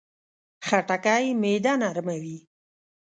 خټکی معده نرموي.